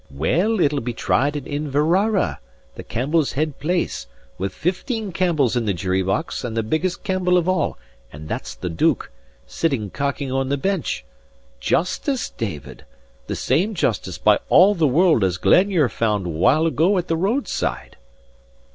Well, it'll be tried in Inverara, the Campbells' head place; with fifteen Campbells in the jury box and the biggest Campbell of all (and that's the Duke) sitting cocking on the bench. Justice, David? The same justice, by all the world, as Glenure found awhile ago at the roadside."